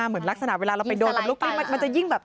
มันเหมือนลักษณะเวลาเราไปโดดลูกกลิ้งมันจะยิ่งแบบ